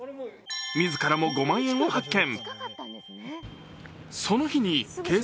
自らも５万円を発見。